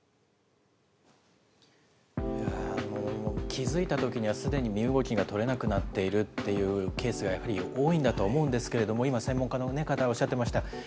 気付いたときにはすでに身動きが取れなくなっているっていうケースがやはり多いんだと思うんですけれども、今、専門家の方がおっしゃってました。